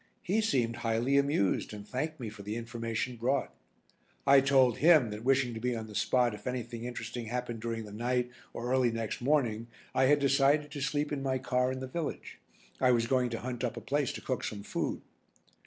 He seemed highly amused and thanked me for the information brought. I told him that wishing to be on the spot if anything interesting happened during the night or early next morning I had decided to sleep in my car in the village. I was going to hunt up a place to cook some food.